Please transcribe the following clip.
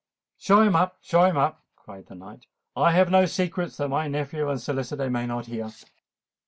"Show him up—show him up," cried the knight. "I have no secrets that my nephew and solicitor may not hear."